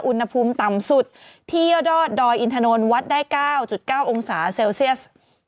อุณหภูมิต่ำสุดที่ยอดดอยอินถนนวัดได้๙๙องศาเซลเซียส